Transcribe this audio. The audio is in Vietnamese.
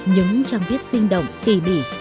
những trang viết sinh động tỉ bỉ